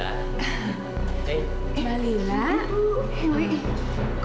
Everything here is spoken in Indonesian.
ya sekarang udah ter picks